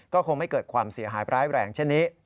ก็คงไม่เกิดความเสียหายร้ายแรงเช่นนี้